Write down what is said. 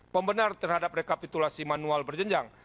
pembenar terhadap rekapitulasi manual berjenjang